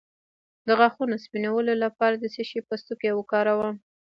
د غاښونو سپینولو لپاره د څه شي پوستکی وکاروم؟